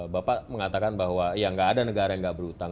bapak mengatakan bahwa ya nggak ada negara yang gak berutang